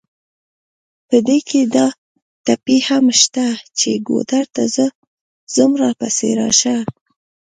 په دې کې دا ټپې هم شته چې: ګودر ته ځم راپسې راشه.